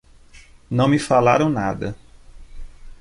Não me falaram nada.